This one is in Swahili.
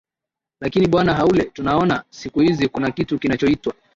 lakini bwana haule tunaona siku hizi kuna kitu kinachoitwa